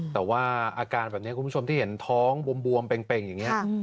แต่ว่าอาการแบบนี้คุณผู้ชมที่เห็นท้องบวมเป็งอย่างนี้